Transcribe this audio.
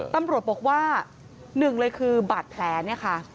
ตำรวจบอกว่าหนึ่งเลยคือบาดแผลเนี่ยค่ะ